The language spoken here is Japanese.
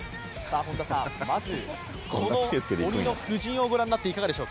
本田さん、まず鬼の布陣をご覧になって、いかがでしょう？